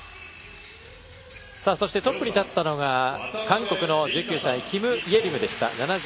トップに立ったのが韓国の１９歳キム・イェリムでした。